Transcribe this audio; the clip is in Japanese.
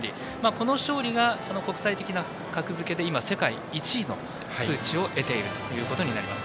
この勝利が、国際的な格付けで今、世界１位の数値を得ているということになります。